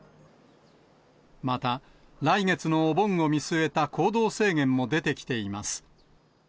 また、来月のお盆を見据えた行動制限も出てきています。